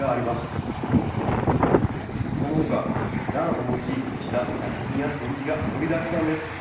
そのほかランをモチーフにした作品や展示が盛りだくさんです。